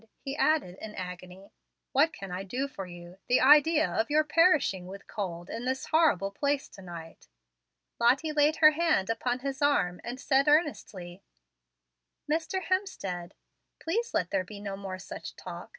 he added in agony, "what can I do for you? The idea of your perishing with cold in this horrible place to night!" Lottie laid her hand upon his arm, and said earnestly; "Mr. Hemstead, please let there be no more such talk.